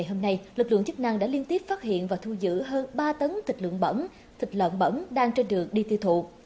thịt lợn chức năng đã liên tiếp phát hiện và thu giữ hơn ba tấn thịt lợn bẩn thịt lợn bẩn đang trên đường đi tiêu thụ